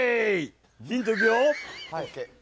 ヒント、いくよ。